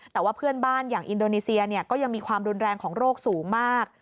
แต่ว่าเพื่อนบ้านอย่างอินโดนีเซียก็ยังมีความรุนแรงของโรคสูงมาก